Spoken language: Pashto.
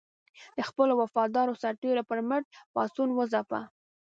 د خپلو وفادارو سرتېرو پر مټ پاڅون وځپه.